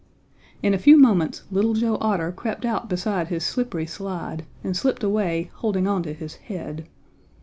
In a few moments Little Joe Otter crept out beside his slippery slide and slipped away holding on to his head.